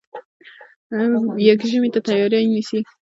يږ ژمي ته تیاری نیسي.